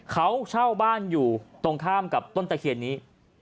เขาเช่าบ้านอยู่ตรงข้ามกับต้นตะเคียนนี้